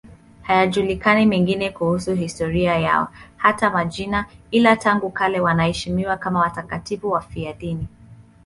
Hayajulikani mengine kuhusu historia yao, hata majina, ila tangu kale wanaheshimiwa kama watakatifu wafiadini.